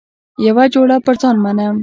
یوه جوړه پر ځان منم.